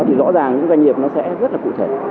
thì rõ ràng những doanh nghiệp nó sẽ rất là cụ thể